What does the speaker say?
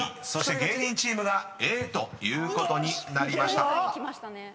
［そして芸人チームがＡということになりました］